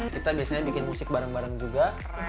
kita biasanya bikin musik bareng bareng juga